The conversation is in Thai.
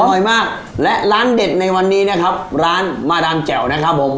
อร่อยมากและร้านเด็ดในวันนี้นะครับร้านมาดามแจ่วนะครับผม